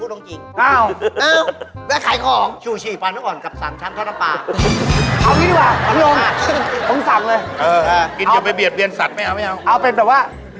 แต่ทำอย่างนี้อีกแล้ว